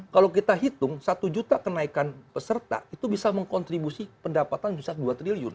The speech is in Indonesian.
kalau kita hitung satu juta kenaikan peserta itu bisa mengkontribusi pendapatan bisa dua triliun